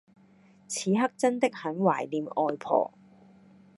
此刻真的很懷念外婆